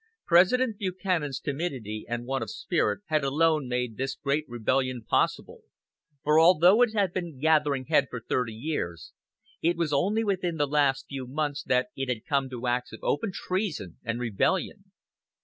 President Buchanan's timidity and want of spirit had alone made this great rebellion possible, for although it had been "gathering head for thirty years" it was only within the last few months that it had come to acts of open treason and rebellion.